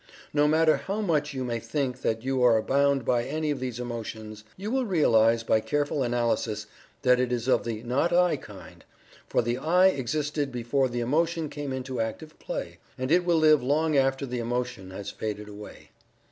No matter how much you may think that you are bound by any of these emotions, you will realize, by careful analysis, that it is of the "not I" kind, for the "I" existed before the emotion came into active play, and it will live long after the emotion has faded away.